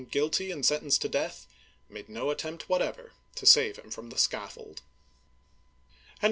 (1589 1610) 295 guilty and sentenced to death, made no attempt whatever to save him from the scaffold. Henry IV.